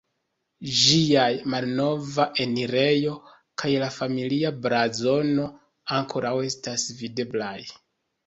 Ĝiaj malnova enirejo kaj la familia blazono ankoraŭ estas videblaj.